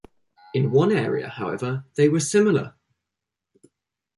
In one area however they were similar.